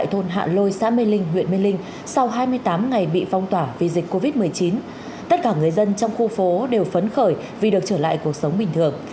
tại thôn hạ lôi xã mê linh huyện mê linh sau hai mươi tám ngày bị phong tỏa vì dịch covid một mươi chín tất cả người dân trong khu phố đều phấn khởi vì được trở lại cuộc sống bình thường